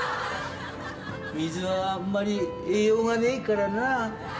水はあんまり栄養がねえからなあ。